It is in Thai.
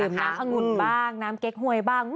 น้ำองุ่นบ้างน้ำเก๊กหวยบ้าง